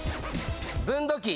分度器。